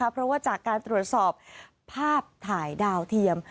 เพราะว่าจากการตรวจสอบภาพถ่ายดาวเทียม